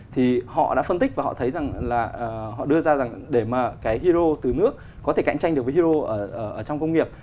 thì họ đã phân tích và họ thấy rằng là họ đưa ra rằng để mà cái hyo từ nước có thể cạnh tranh được với hydro trong công nghiệp